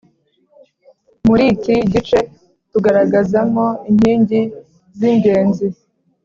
muri iki gice turagaragazamo inkingi z'ingenzi